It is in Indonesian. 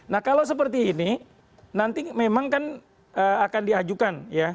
nah kalau seperti ini nanti memang akan diajukan